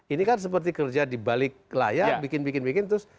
ini kan seperti kerja di balik layar bikin bikin terus